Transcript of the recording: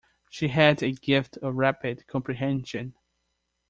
She had a gift of rapid comprehension.